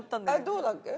どうだっけ？